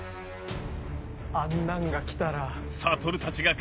あんなんが来たら。